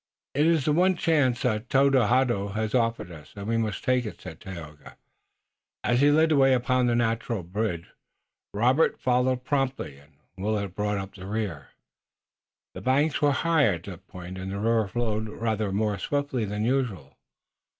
"It is the one chance that Tododaho has offered to us, and we must take it," said Tayoga, as he led the way upon the natural bridge. Robert followed promptly and Willet brought up the rear. The banks were high at that point, and the river flowed rather more swiftly than usual.